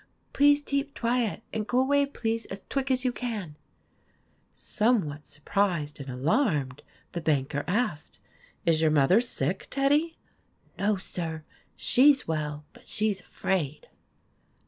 Please teep twiet, and go away, please, as twick as you can !' Somewhat surprised and alarmed, the banker asked, " Is your mother sick, Teddy ?'" No, sir. She 's well ; but she 's afraid